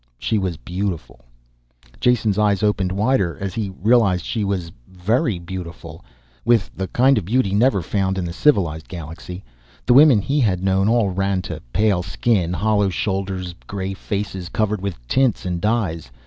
She was beautiful. Jason's eyes opened wider as he realized she was very beautiful with the kind of beauty never found in the civilized galaxy. The women he had known all ran to pale skin, hollow shoulders, gray faces covered with tints and dyes.